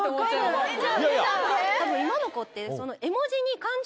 多分今の子って。